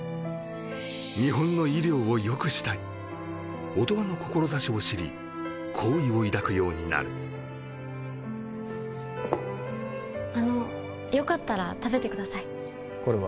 日本の医療をよくしたい音羽の志を知り好意を抱くようになるあのよかったら食べてくださいこれは？